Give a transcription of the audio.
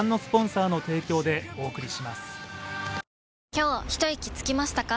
今日ひといきつきましたか？